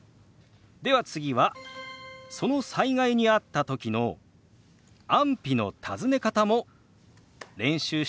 では次はその災害にあったときの安否の尋ね方も練習しておきましょう。